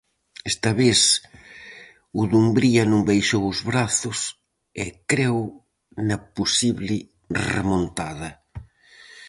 Esta vez, o Dumbría non baixou os brazos e creu na posible remontada.